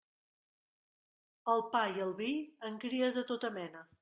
El pa i el vi en cria de tota mena.